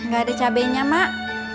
nggak ada cabenya mak